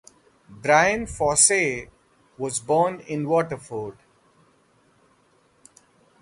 Bryan Faussett, was born in Waterford.